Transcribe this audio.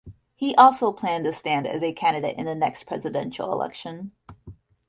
He also planned to stand as a candidate in the next presidential election.